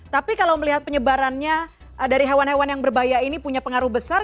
tapi kalau melihat penyebarannya dari hewan hewan yang berbahaya ini punya pengaruh besar